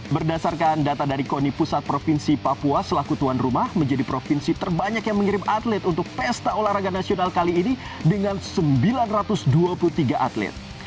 berdasarkan data dari koni pusat provinsi papua selaku tuan rumah menjadi provinsi terbanyak yang mengirim atlet untuk pesta olahraga nasional kali ini dengan sembilan ratus dua puluh tiga atlet